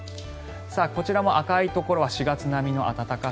こちらも赤いところは４月並みの暖かさ。